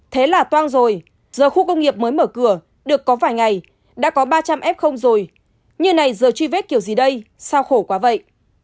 thế là toang rồi giờ khu công nghiệp mới mở cửa được có vài ngày đã có ba trăm linh f rồi như này giờ truy vết kiểu gì đây sao khổ quá vậy